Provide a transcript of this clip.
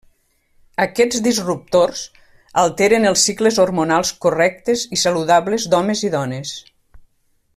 Aquests disruptors alteren els cicles hormonals correctes i saludables d'homes i dones.